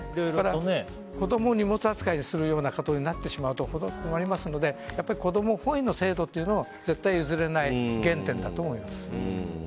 子供を荷物扱いするようなことになってしまうと子供怖がりますので子供本位の制度というのは絶対譲れない原点だと思います。